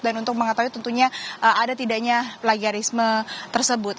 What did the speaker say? untuk mengetahui tentunya ada tidaknya plagiarisme tersebut